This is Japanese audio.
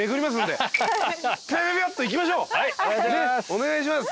お願いします